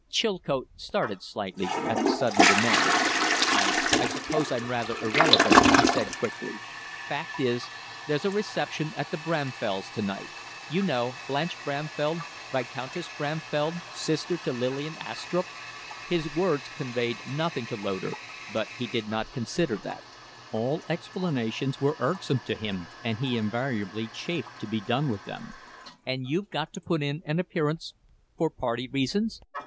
Chilcote started slightly at the sudden demand. "I I suppose I'm rather irrelevant," he said, quickly. "Fact is, there's a reception at the Bramfells' to night. You know Blanche Bramfell Viscountess Bramfell, sister to Lillian Astrupp." His words conveyed nothing to Loder, but he did not consider that. All explanations were irksome to him and he invariably chafed to be done with them. "And you've got to put in an appearance for party reasons?"